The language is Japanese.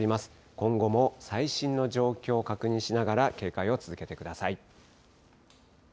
今後も最新の状況を確認しながら、警戒を続けてください。